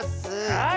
はい！